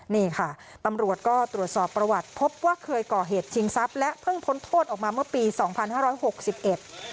นี่ค่ะตำรวจก็ตรวจสอบประวัติพบว่าเคยก่อเหตุชิงทรัพย์และเพิ่งพ้นโทษออกมาเมื่อปีสองพันห้าร้อยหกสิบเอ็ด